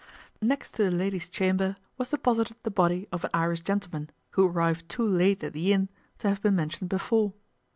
Next to the lady's chamber was deposited the body of an Irish gentleman who arrived too late at the inn to have been mentioned before.